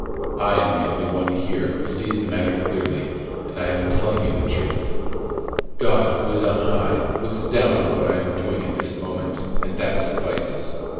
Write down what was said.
I am the only one here who sees the matter clearly, and I am telling you the truth. God, who is on high, looks down on what I am doing at this moment, and that suffices.